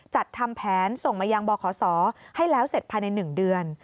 จัดทำแผนส่งมายังบขศให้แล้วเสร็จภายใน๑เดือน